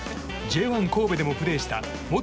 Ｊ１神戸でもプレーした元